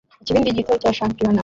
Ikibindi gito cya shampiyona